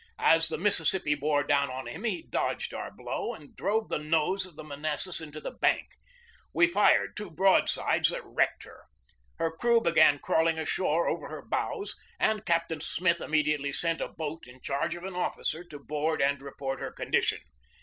As the Mississippi bore down on him, he dodged our blow and drove the nose of the Manassas into the bank. We fired two broad sides that wrecked her. Her crew began crawling ashore over her bows, and Captain Smith immedi ately sent a boat in charge of an officer to board and report her condition.